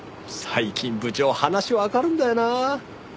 最近部長話わかるんだよなあ。